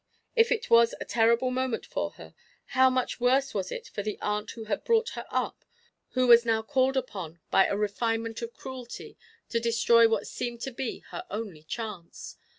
If it was a terrible moment for her; how much worse was it for the aunt who had brought her up, who was now called upon by a refinement of cruelty to destroy what seemed to be her only chance.